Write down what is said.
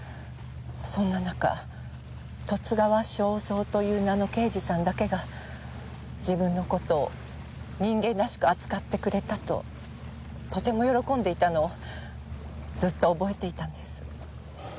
そんな中十津川省三という名の刑事さんだけが自分の事を人間らしく扱ってくれたととても喜んでいたのをずっと覚えていたんです。